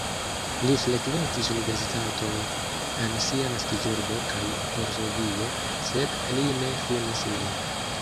Li frekventis universitatojn en sia naskiĝurbo kaj Varsovio, sed li ne finis ilin.